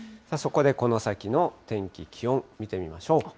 そこでこの先の天気、気温、見てみましょう。